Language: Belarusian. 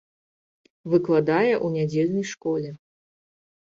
Выкладае ў нядзельнай школе.